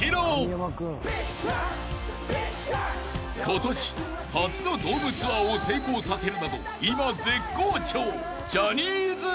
［今年初のドームツアーを成功させるなど今絶好調ジャニーズＷＥＳＴ］